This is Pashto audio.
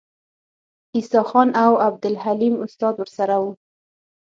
عیسی خان او عبدالحلیم استاد ورسره وو.